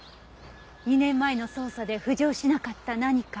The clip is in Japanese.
２年前の捜査で浮上しなかった何か。